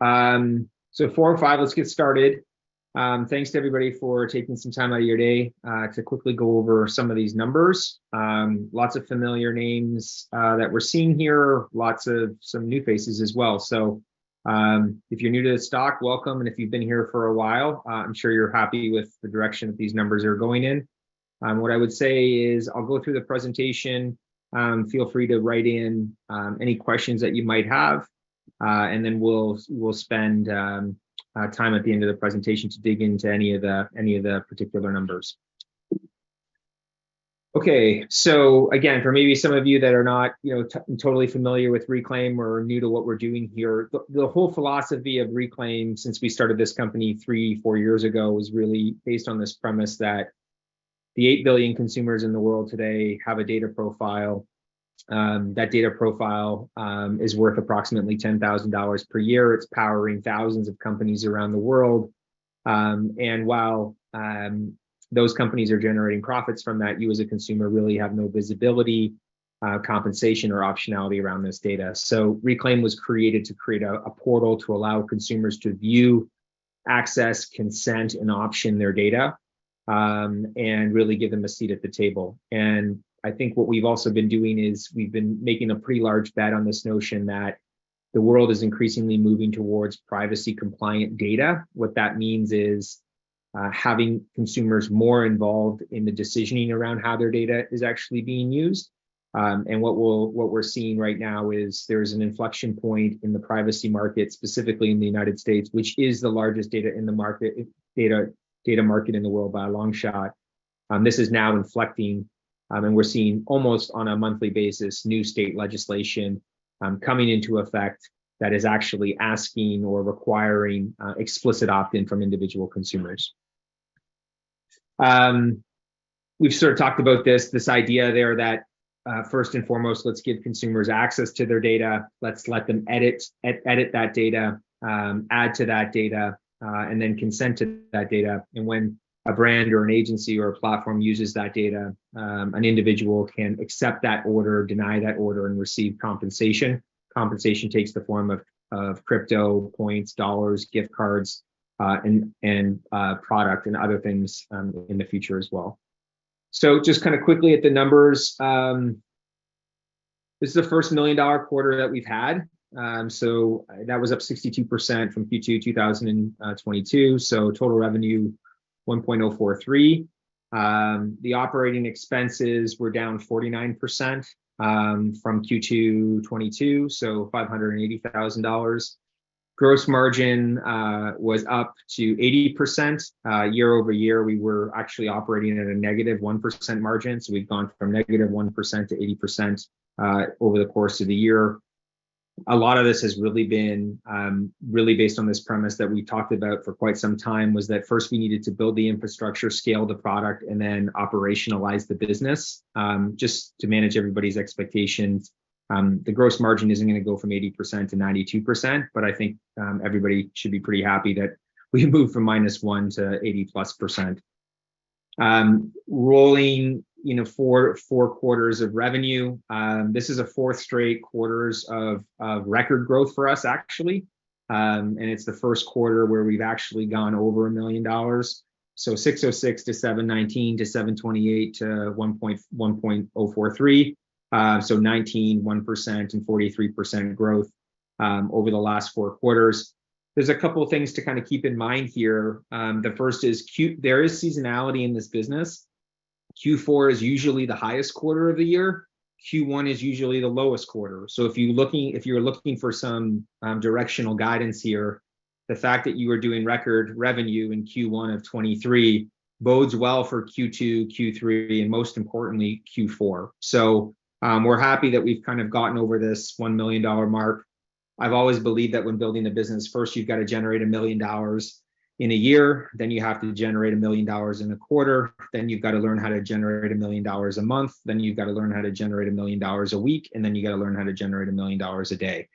Four and five, let's get started. Thanks to everybody for taking some time out of your day to quickly go over some of these numbers. Lots of familiar names that we're seeing here. Lots of some new faces as well. If you're new to the stock, welcome, and if you've been here for a while, I'm sure you're happy with the direction that these numbers are going in. What I would say is, I'll go through the presentation, feel free to write in any questions that you might have, and then we'll, we'll spend time at the end of the presentation to dig into any of the, any of the particular numbers. Again, for maybe some of you that are not totally familiar with Reklaim or are new to what we're doing here, the whole philosophy of Reklaim, since we started this company three, four years ago, was really based on this premise that the 8 billion consumers in the world today have a data profile. That data profile is worth approximately $10,000 per year. It's powering thousands of companies around the world. While those companies are generating profits from that, you as a consumer really have no visibility, compensation, or optionality around this data. Reklaim was created to create a portal to allow consumers to view, access, consent, and option their data and really give them a seat at the table. I think what we've also been doing is, we've been making a pretty large bet on this notion that the world is increasingly moving towards privacy-compliant data. What that means is, having consumers more involved in the decisioning around how their data is actually being used. What we're seeing right now is there's an inflection point in the privacy market, specifically in the United States, which is the largest data in the market, data, data market in the world by a long shot. This is now inflecting, and we're seeing almost on a monthly basis, new state legislation, coming into effect that is actually asking or requiring, explicit opt-in from individual consumers. We've sort of talked about this, this idea there that, first and foremost, let's give consumers access to their data. Let's let them edit, edit that data, add to that data, and then consent to that data, and when a brand or an agency or a platform uses that data, an individual can accept that order, deny that order, and receive compensation. Compensation takes the form of, of crypto coins, dollars, gift cards, and, and, product and other things in the future as well. Just kind of quickly at the numbers. This is the first million-dollar quarter that we've had. That was up 62% from Q2 2022. Total revenue, $1,043,000. The operating expenses were down 49% from Q2 2022, so $580,000. Gross margin was up to 80%. Year-over-year, we were actually operating at a -1% margin. We've gone from -1% to 80% over the course of the year. A lot of this has really been really based on this premise that we talked about for quite some time, was that first we needed to build the infrastructure, scale the product, and then operationalize the business. Just to manage everybody's expectations, the gross margin isn't gonna go from 80%-92%. I think everybody should be pretty happy that we moved from -1% to 80+%. Rolling, you know, four, four quarters of revenue, this is the fourth straight quarters of, of record growth for us, actually. It's the first quarter where we've actually gone over $1 million. $606,000 to $719,000 to $728,000 to $1.43 million, 19%, 1%, and 43% growth over the last four quarters. There's a couple of things to kind of keep in mind here. The first is there is seasonality in this business. Q4 is usually the highest quarter of the year. Q1 is usually the lowest quarter. If you're looking, if you're looking for some directional guidance here, the fact that you are doing record revenue in Q1 of 2023 bodes well for Q2, Q3, and most importantly, Q4. We're happy that we've kind of gotten over this $1 million mark. I've always believed that when building a business, first you've got to generate $1 million in a year, then you have to generate $1 million in a quarter, then you've got to learn how to generate $1 million a month, then you've got to learn how to generate $1 million a week, and then you've got to learn how to generate $1 million a day.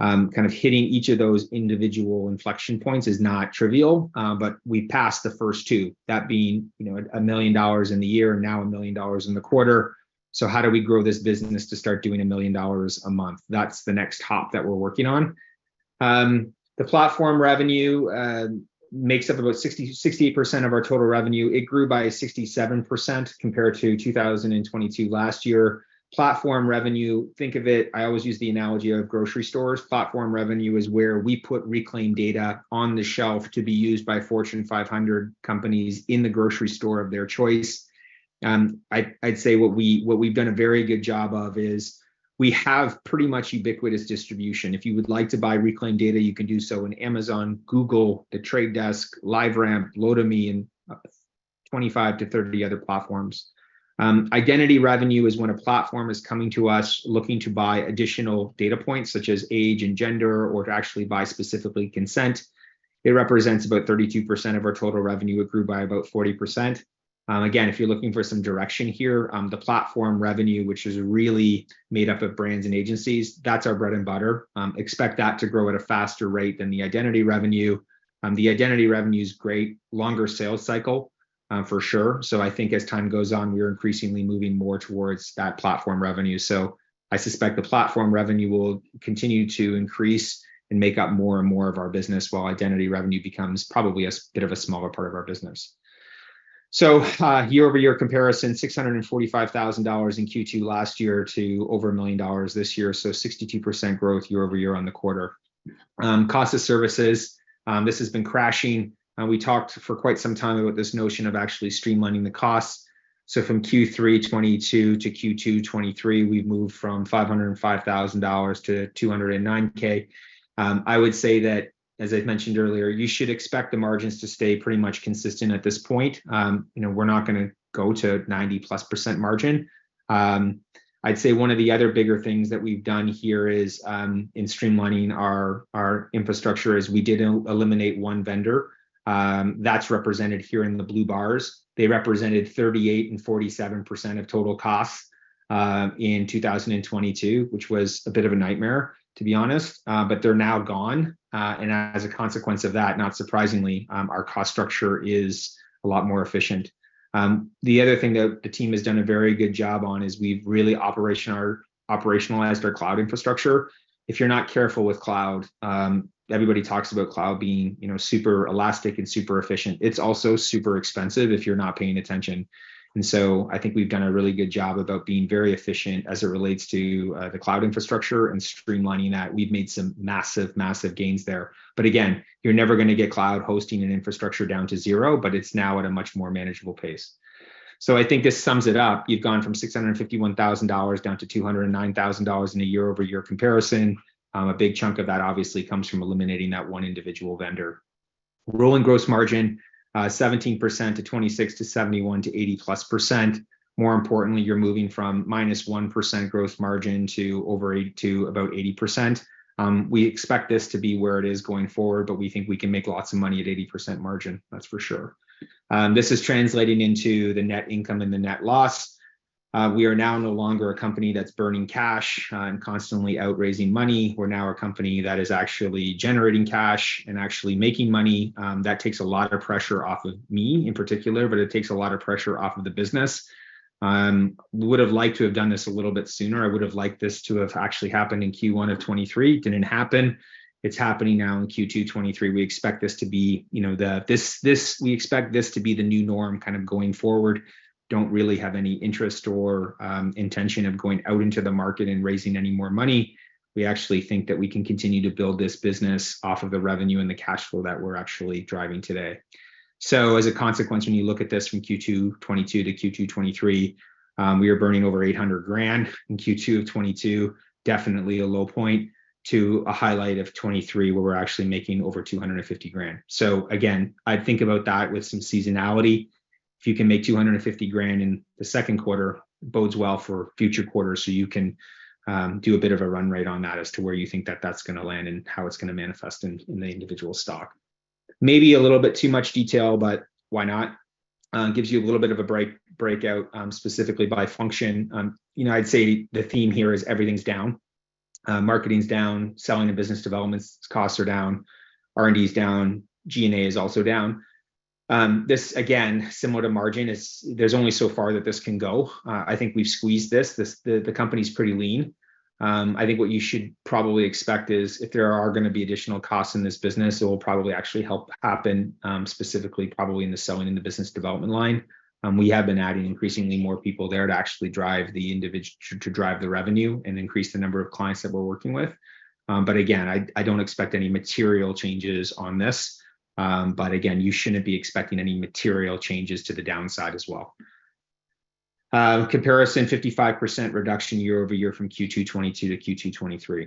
Kind of hitting each of those individual inflection points is not trivial, but we passed the first two, that being, you know, $1 million in the year and now $1 million in the quarter. How do we grow this business to start doing $1 million a month? That's the next top that we're working on. The platform revenue makes up about 60%-68% of our total revenue. It grew by 67% compared to 2022 last year. Platform revenue, think of it, I always use the analogy of grocery stores. Platform revenue is where we put Reklaim data on the shelf to be used by Fortune 500 companies in the grocery store of their choice. I'd, I'd say what we, what we've done a very good job of is, we have pretty much ubiquitous distribution. If you would like to buy Reklaim data, you can do so on Amazon, Google, The Trade Desk, LiveRamp, Lotame, and 25 to 30 other platforms. Identity revenue is when a platform is coming to us, looking to buy additional data points, such as age and gender, or to actually buy specifically consent. It represents about 32% of our total revenue, it grew by about 40%. Again, if you're looking for some direction here, the platform revenue, which is really made up of brands and agencies, that's our bread and butter. Expect that to grow at a faster rate than the identity revenue. The identity revenue is great, longer sales cycle, for sure. I think as time goes on, we are increasingly moving more towards that platform revenue. I suspect the platform revenue will continue to increase and make up more and more of our business, while identity revenue becomes probably a bit of a smaller part of our business. Year-over-year comparison, $645,000 in Q2 last year to over $1 million this year, 62% growth year-over-year on the quarter. Cost of services, this has been crashing, we talked for quite some time about this notion of actually streamlining the costs. From Q3 2022 to Q2 2023, we've moved from $505,000 to $209,000. I would say that, as I've mentioned earlier, you should expect the margins to stay pretty much consistent at this point. You know, we're not gonna go to 90%+ margin. I'd say one of the other bigger things that we've done here is, in streamlining our, our infrastructure is we did eliminate one vendor, that's represented here in the blue bars. They represented 38 and 47% of total costs in 2022, which was a bit of a nightmare, to be honest. They're now gone, as a consequence of that, not surprisingly, our cost structure is a lot more efficient. The other thing that the team has done a very good job on is we've really operationalized our cloud infrastructure. If you're not careful with cloud, everybody talks about cloud being, you know, super elastic and super efficient. It's also super expensive if you're not paying attention. I think we've done a really good job about being very efficient as it relates to the cloud infrastructure and streamlining that. We've made some massive, massive gains there. Again, you're never gonna get cloud hosting and infrastructure down to zero, but it's now at a much more manageable pace. I think this sums it up. You've gone from $651,000 down to $209,000 in a year-over-year comparison. A big chunk of that obviously comes from eliminating that one individual vendor. Rolling gross margin, 17%-26% to 71%-80+%. More importantly, you're moving from -1% growth margin to over 8% to about 80%. We expect this to be where it is going forward, but we think we can make lots of money at 80% margin, that's for sure. This is translating into the net income and the net loss. We are now no longer a company that's burning cash, and constantly out raising money. We're now a company that is actually generating cash and actually making money. That takes a lot of pressure off of me in particular, but it takes a lot of pressure off of the business. Would have liked to have done this a little bit sooner. I would have liked this to have actually happened in Q1 of 2023. Didn't happen. It's happening now in Q2 2023. We expect this to be, you know, the new norm kind of going forward. Don't really have any interest or intention of going out into the market and raising any more money. We actually think that we can continue to build this business off of the revenue and the cash flow that we're actually driving today. As a consequence, when you look at this from Q2 2022 to Q2 2023, we are burning over $800,000 in Q2 2022, definitely a low point, to a highlight of 2023, where we're actually making over $250,000. Again, I'd think about that with some seasonality. If you can make $250,000 in the second quarter, bodes well for future quarters, so you can do a bit of a run rate on that as to where you think that that's gonna land and how it's gonna manifest in, in the individual stock. Maybe a little bit too much detail, but why not? It gives you a little bit of a break, breakout, specifically by function. You know, I'd say the theme here is everything's down. Marketing's down, selling and business developments costs are down, R&D's down, G&A is also down. This, again, similar to margin, is there's only so far that this can go. I think we've squeezed this. The company's pretty lean. I think what you should probably expect is if there are gonna be additional costs in this business, it will probably actually help happen, specifically probably in the selling and the business development line. We have been adding increasingly more people there to actually drive the revenue and increase the number of clients that we're working with. Again, I, I don't expect any material changes on this. Again, you shouldn't be expecting any material changes to the downside as well. Comparison, 55% reduction year-over-year from Q2 2022 to Q2 2023.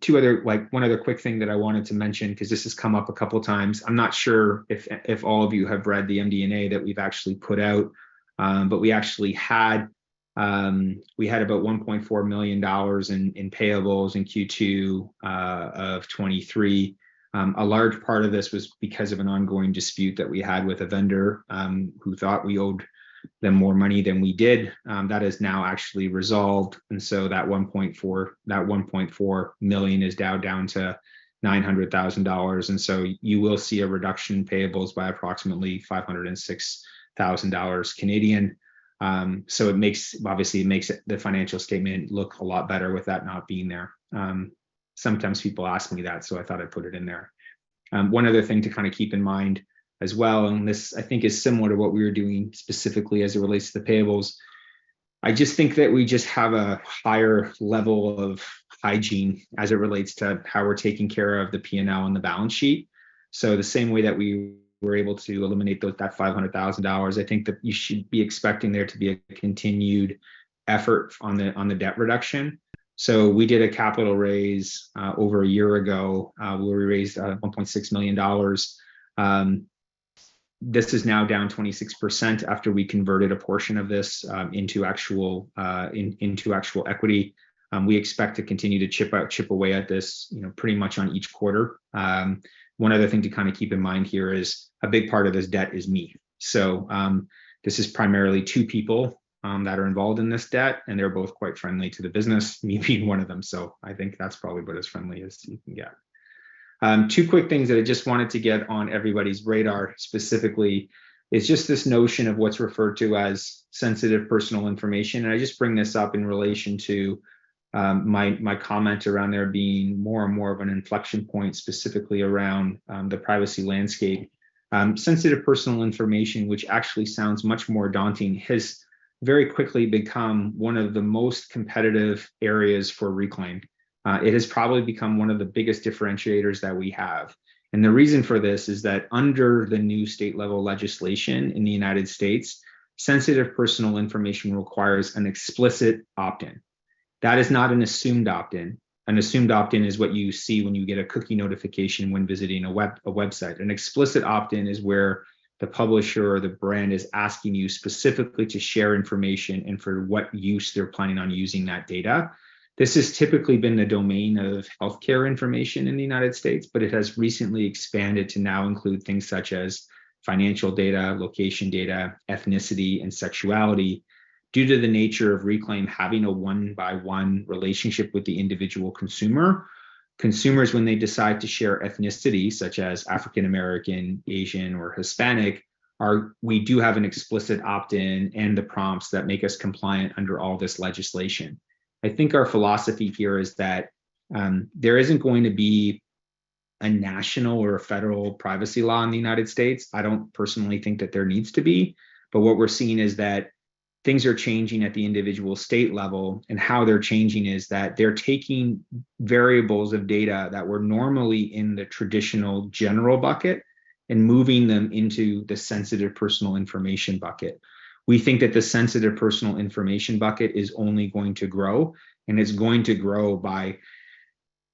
Two other... like, one other quick thing that I wanted to mention, 'cause this has come up a couple of times. I'm not sure if, if all of you have read the MD&A that we've actually put out, but we actually had, we had about 1.4 million dollars in, in payables in Q2 of 2023. A large part of this was because of an ongoing dispute that we had with a vendor, who thought we owed them more money than we did. That is now actually resolved, and so that 1.4, that 1.4 million is now down to 900,000 dollars, and so you will see a reduction in payables by approximately 506,000 Canadian dollars. Obviously, it makes it, the financial statement look a lot better with that not being there. Sometimes people ask me that, so I thought I'd put it in there. One other thing to kind of keep in mind as well, and this, I think, is similar to what we were doing specifically as it relates to the payables. I just think that we just have a higher level of hygiene as it relates to how we're taking care of the P&L on the balance sheet. The same way that we were able to eliminate that $500,000, I think that you should be expecting there to be a continued effort on the, on the debt reduction. We did a capital raise over a year ago, where we raised $1.6 million. This is now down 26% after we converted a portion of this into actual, into actual equity. We expect to continue to chip out, chip away at this, you know, pretty much on each quarter. One other thing to kind of keep in mind here is, a big part of this debt is me. This is primarily two people that are involved in this debt, and they're both quite friendly to the business, me being one of them. I think that's probably about as friendly as you can get. Two quick things that I just wanted to get on everybody's radar specifically, is just this notion of what's referred to as Sensitive Personal Information. I just bring this up in relation to my, my comment around there being more and more of an inflection point, specifically around the privacy landscape. Sensitive Personal Information, which actually sounds much more daunting, has very quickly become one of the most competitive areas for Reklaim. It has probably become one of the biggest differentiators that we have. The reason for this is that under the new state level legislation in the United States, Sensitive Personal Information requires an explicit opt-in. That is not an assumed opt-in. An assumed opt-in is what you see when you get a cookie notification when visiting a website. An explicit opt-in is where the publisher or the brand is asking you specifically to share information and for what use they're planning on using that data. This has typically been the domain of healthcare information in the United States, it has recently expanded to now include things such as financial data, location data, ethnicity, and sexuality. Due to the nature of Reklaim having a one-by-one relationship with the individual consumer, consumers, when they decide to share ethnicity, such as African American, Asian, or Hispanic, we do have an explicit opt-in and the prompts that make us compliant under all this legislation. I think our philosophy here is that there isn't going to be a national or a federal privacy law in the United States. I don't personally think that there needs to be, but what we're seeing is that things are changing at the individual state level, and how they're changing is that they're taking variables of data that were normally in the traditional general bucket and moving them into the Sensitive Personal Information bucket. We think that the Sensitive Personal Information bucket is only going to grow, and is going to grow by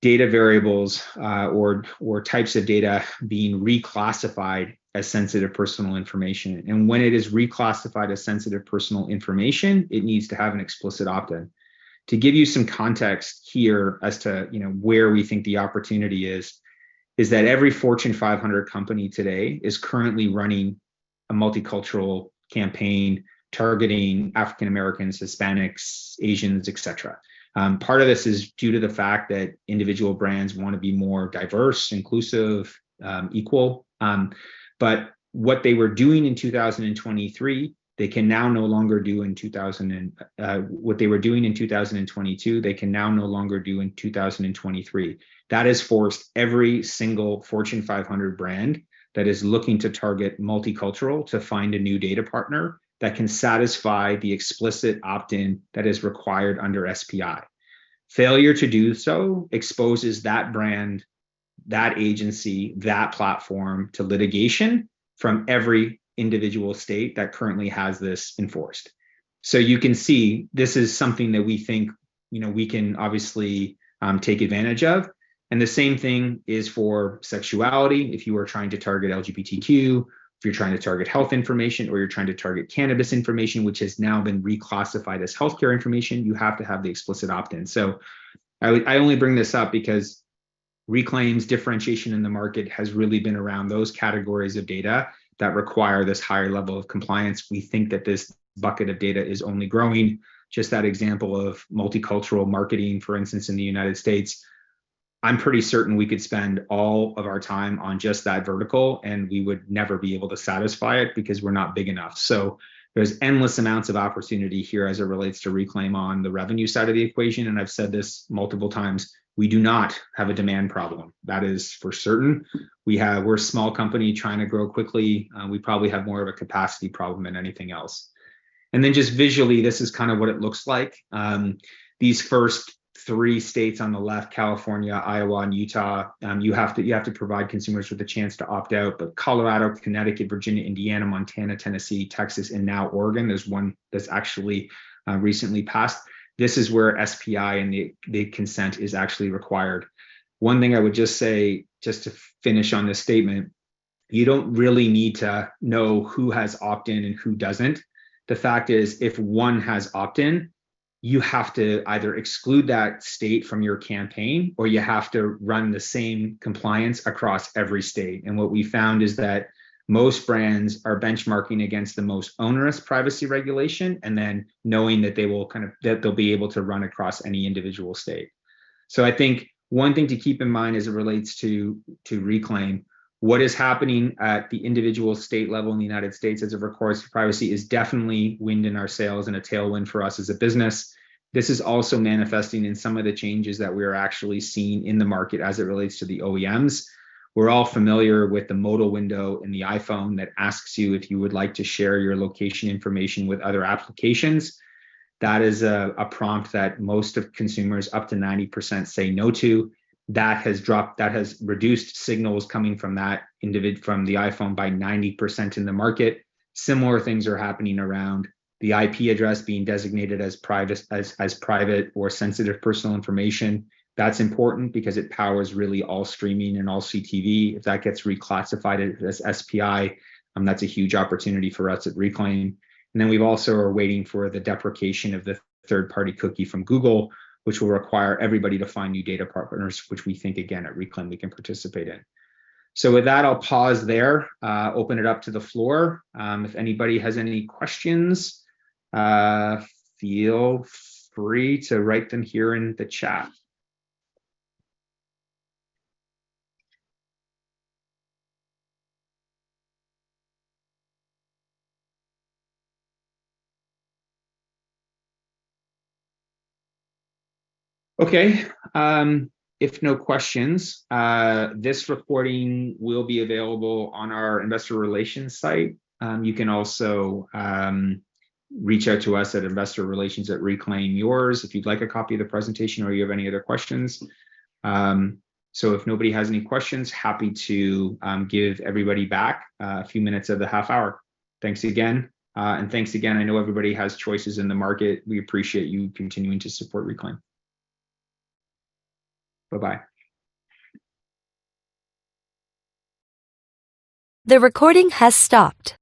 data variables, or, or types of data being reclassified as Sensitive Personal Information, and when it is reclassified as Sensitive Personal Information, it needs to have an explicit opt-in. To give you some context here as to, you know, where we think the opportunity is, is that every Fortune 500 company today is currently running a multicultural campaign targeting African Americans, Hispanics, Asians, et cetera. Part of this is due to the fact that individual brands want to be more diverse, inclusive, equal. What they were doing in 2023, they can now no longer do in... what they were doing in 2022, they can now no longer do in 2023. That has forced every single Fortune 500 brand that is looking to target multicultural to find a new data partner that can satisfy the explicit opt-in that is required under SPI. Failure to do so exposes that brand, that agency, that platform to litigation from every individual state that currently has this enforced. You can see this is something that we think, you know, we can obviously take advantage of, and the same thing is for sexuality. If you are trying to target LGBTQ, if you're trying to target health information, or you're trying to target cannabis information, which has now been reclassified as healthcare information, you have to have the explicit opt-in. I only bring this up because Reklaim's differentiation in the market has really been around those categories of data that require this higher level of compliance. We think that this bucket of data is only growing. Just that example of multicultural marketing, for instance, in the United States, I'm pretty certain we could spend all of our time on just that vertical, and we would never be able to satisfy it because we're not big enough. There's endless amounts of opportunity here as it relates to Reklaim on the revenue side of the equation, and I've said this multiple times, we do not have a demand problem. That is for certain. We're a small company trying to grow quickly, we probably have more of a capacity problem than anything else. Just visually, this is kind of what it looks like. These first three states on the left, California, Iowa, and Utah, you have to, you have to provide consumers with a chance to opt out. Colorado, Connecticut, Virginia, Indiana, Montana, Tennessee, Texas, and now Oregon, there's one that's actually recently passed. This is where SPI and the consent is actually required. One thing I would just say, just to finish on this statement, you don't really need to know who has opt-in and who doesn't. The fact is, if one has opt-in, you have to either exclude that state from your campaign, or you have to run the same compliance across every state. What we found is that most brands are benchmarking against the most onerous privacy regulation, then knowing that they'll be able to run across any individual state. I think one thing to keep in mind as it relates to, to Reklaim, what is happening at the individual state level in the United States as it records privacy is definitely wind in our sails and a tailwind for us as a business. This is also manifesting in some of the changes that we are actually seeing in the market as it relates to the OEMs. We're all familiar with the modal window in the iPhone that asks you if you would like to share your location information with other applications. That is a, a prompt that most of consumers, up to 90%, say no to. That has reduced signals coming from the iPhone by 90% in the market. Similar things are happening around the IP address being designated as private or Sensitive Personal Information. That's important because it powers really all streaming and all CTV. If that gets reclassified as SPI, that's a huge opportunity for us at Reklaim. Then we've also are waiting for the deprecation of the third-party cookie from Google, which will require everybody to find new data partners, which we think, again, at Reklaim, we can participate in. With that, I'll pause there, open it up to the floor. If anybody has any questions, feel free to write them here in the chat. Okay, if no questions, this recording will be available on our investor relations site. You can also reach out to us at investor relations at Reklaim Yours if you'd like a copy of the presentation or you have any other questions. If nobody has any questions, happy to give everybody back a few minutes of the half hour. Thanks again, and thanks again. I know everybody has choices in the market. We appreciate you continuing to support Reklaim. Bye-bye. The recording has stopped.